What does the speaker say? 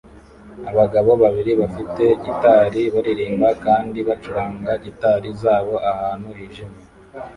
Abagabo babiri bafite gitari baririmba kandi bacuranga gitari zabo ahantu hijimye